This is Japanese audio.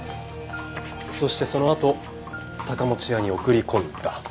そしてそのあと高持屋に送り込んだ。